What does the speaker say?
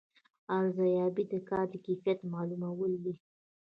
ارزیابي د کار د کیفیت معلومول دي